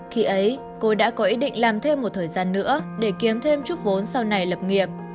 khi ấy cô đã có ý định làm thêm một thời gian nữa để kiếm thêm chút vốn sau này lập nghiệp